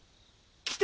来て！